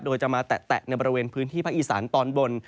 โดยจะมาแตะในบริเวณพื้นที่ภาคอีสานตอนบน